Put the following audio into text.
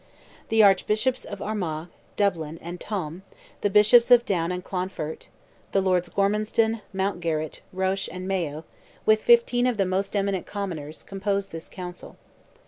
The Archbishops of Armagh, Dublin, and Tuam, the Bishops of Down and of Clonfert, the Lords Gormanstown, Mountgarrett, Roche, and Mayo, with fifteen of the most eminent commoners, composed this council.